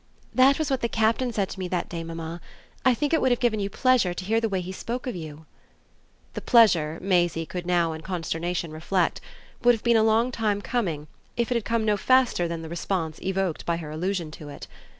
"That was what the Captain said to me that day, mamma. I think it would have given you pleasure to hear the way he spoke of you." The pleasure, Maisie could now in consternation reflect, would have been a long time coming if it had come no faster than the response evoked by her allusion to it.